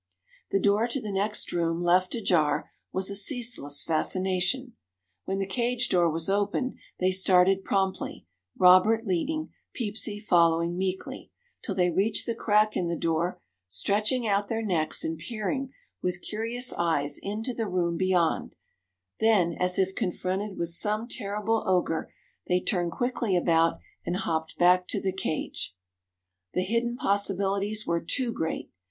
The door to the next room, left ajar, was a ceaseless fascination. When the cage door was opened they started promptly, Robert leading, Peepsy following meekly, till they reached the crack in the door, stretching out their necks and peering with curious eyes into the room beyond; then, as if confronted with some terrible ogre they turned quickly about and hopped back to the cage. The hidden possibilities were too great.